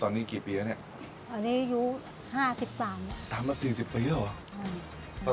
ตอนนี้กี่ปีแล้วเนี่ยตอนนี้อายุห้าสิบสามมาสี่สิบปีแล้วเหรอ